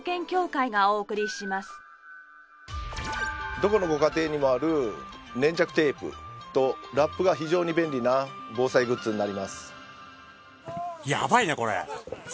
どこのご家庭にもある粘着テープとラップが非常に便利な防災グッズになります。